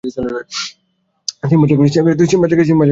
সিম্বার যায়গায় সে কেন দৌড়াচ্ছে?